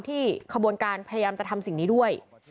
ขบวนการพยายามจะทำสิ่งนี้ด้วย